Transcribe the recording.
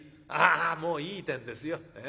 ああもういいてんですよ。